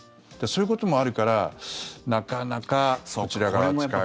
そういうこともあるからなかなかこちら側、使う側と。